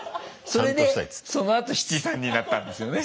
それでそのあと七三になったんですよね。